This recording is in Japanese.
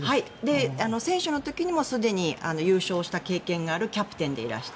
選手の時にもすでに優勝した経験があるキャプテンでいらして。